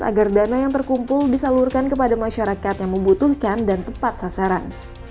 agar dana yang terkumpul disalurkan kepada masyarakat yang membutuhkan dan tepat sasaran